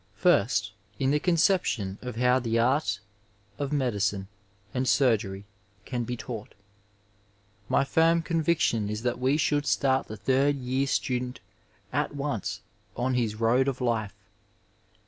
First, in the conception of how the art of medicine and surgery can be taught. My firm conviction is that we should start the third year student at once on his road of life.